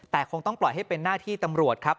แต่คงต้องปล่อยให้เป็นหน้าที่ตำรวจครับ